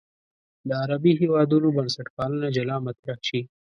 د عربي هېوادونو بنسټپالنه جلا مطرح شي.